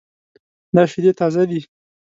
دا شیدې تازه دي